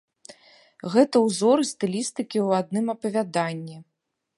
Гэта ўзоры стылістыкі ў адным апавяданні.